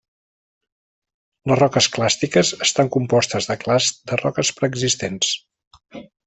Les roques clàstiques estan compostes de clasts de roques preexistents.